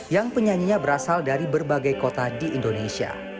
dan penyanyinya berasal dari berbagai kota di indonesia